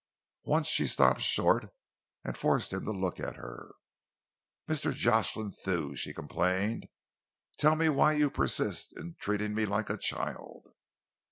Once she stopped short and forced him to look at her. "Mr. Jocelyn Thew," she complained, "tell me why you persist in treating me like a child?"